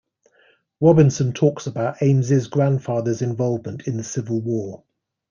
Robinson talks about Ames's grandfather's involvement in the civil war.